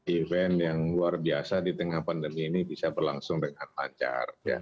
event yang luar biasa di tengah pandemi ini bisa berlangsung dengan lancar